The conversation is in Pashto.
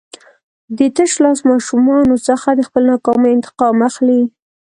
د تشلاس ماشومانو څخه د خپلې ناکامۍ انتقام اخلي.